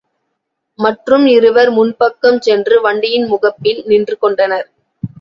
மற்றும் இருவர் முன்பக்கம் சென்று வண்டியின் முகப்பில் நின்று கொண்டனர்.